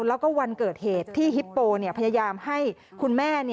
แล้วก็วันเกิดเหตุที่ฮิปโปพยายามให้คุณแม่